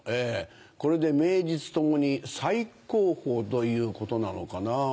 これで名実ともに最高峰ということなのかなぁ。